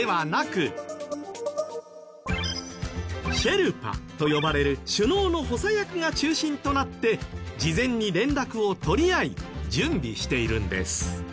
シェルパと呼ばれる首脳の補佐役が中心となって事前に連絡を取り合い準備しているんです。